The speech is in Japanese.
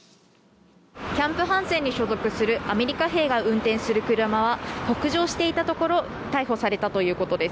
キャンプハンセンに所属するアメリカ兵が運転する車は北上していたところ逮捕されたということです。